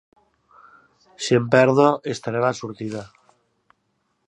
Si em perdo, estaré a la sortida.